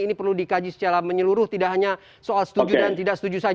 ini perlu dikaji secara menyeluruh tidak hanya soal setuju dan tidak setuju saja